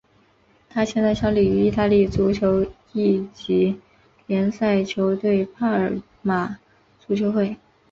他现在效力于意大利足球乙级联赛球队帕尔马足球会。